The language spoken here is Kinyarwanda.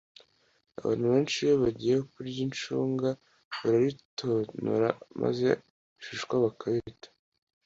abantu benshi iyo bagiye kurya icunga bararitonora maze ibishishwa bakabita